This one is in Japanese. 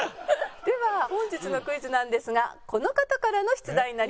では本日のクイズなんですがこの方からの出題になります。